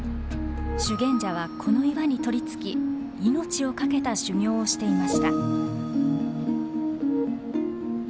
修験者はこの岩に取りつき命を懸けた修行をしていました。